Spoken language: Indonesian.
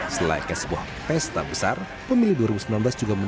selain sebuah pesta besar pemilih dua ribu sembilan belas juga meninggalkan bertumpuk masalah